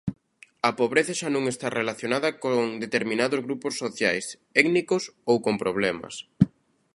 A pobreza xa non está relacionado con determinados grupos sociais, étnicos ou con problemas.